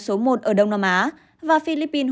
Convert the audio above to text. số một ở đông nam á và philippines